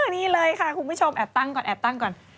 นี่เลยค่ะคุณผู้ชมแอบตั้งก่อนก่อน